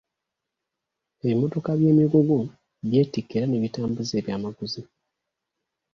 Ebimmotoka by'emigugu byetikka era ne bitambuza eby'amaguzi.